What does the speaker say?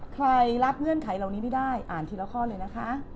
รับเงื่อนไขเหล่านี้ไม่ได้อ่านทีละข้อเลยนะคะ